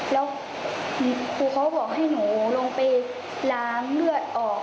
แล้วครูเขาบอกให้หนูลงไปล้างเลือดออก